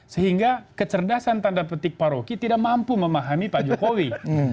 sehingga kecerdasan tanda petik pak rocky tidak mampu memahami pak jokowi